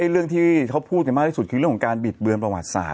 เรื่องที่เขาพูดกันมากที่สุดคือเรื่องของการบิดเบือนประวัติศาส